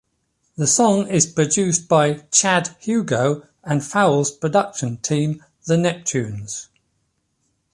The song is produced by Chad Hugo and Pharrell's production team, The Neptunes.